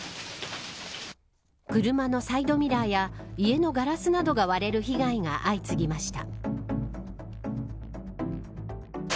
車のサイドミラーや家のガラスなどが割れる被害が相次ぎました。